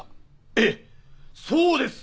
ええそうです！